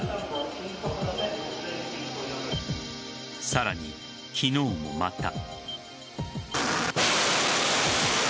さらに、昨日もまた。